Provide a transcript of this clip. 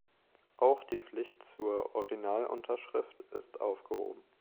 Auch die Pflicht zur Original-Unterschrift ist aufgehoben.